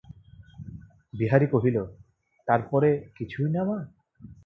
বিহারী কহিল, তার পরে কিছুই না মা।